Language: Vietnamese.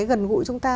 gần gũi chúng ta